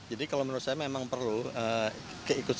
jadi kalau menurut anda apa yang anda harapkan untuk dpr